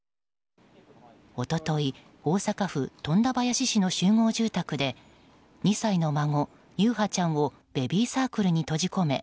一昨日、大阪府富田林市の集合住宅で２歳の孫・優陽ちゃんをベビーサークルに閉じ込め